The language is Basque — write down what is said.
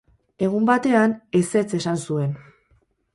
Egun batean, ezetz esan zuen.